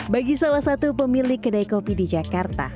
bagi salah satu pemilik kedai kopi di jakarta